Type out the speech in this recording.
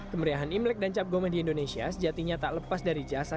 kemeriahan imlek dan cap gome di indonesia sejatinya tak lepas dari jasa